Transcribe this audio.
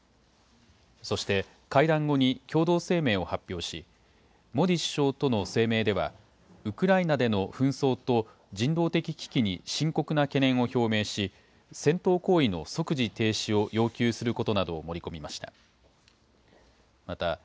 そして会談後に共同声明を発表し、モディ首相との声明では、ウクライナでの紛争と人道的危機に深刻な懸念を表明し、戦闘行為の即時停止を要求することなどを盛り込みました。